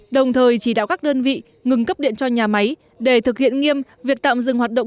đồng thời chỉ đạo các đơn vị ngừng cấp điện cho nhà máy để thực hiện nghiêm việc tạm dừng hoạt động